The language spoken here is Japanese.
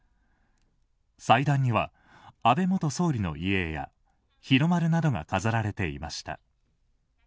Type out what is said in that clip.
祭壇には、安倍元総理の遺影や日の丸などが飾られていました。